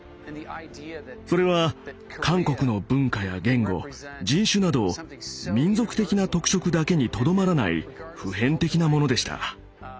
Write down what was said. それは韓国の文化や言語人種など民族的な特色だけにとどまらない普遍的なものでした。